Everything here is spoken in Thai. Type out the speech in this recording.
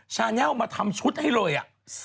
ชาแน่วมาทำชุดให้เลยอ่ะ